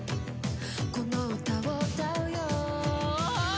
「この歌を歌うよ」